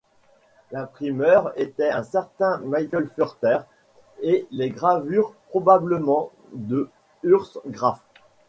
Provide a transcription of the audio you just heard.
L'imprimeur était un certain Michael Furter, et les gravures probablement de Urs Graf.